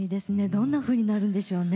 どんなふうになるんでしょうね。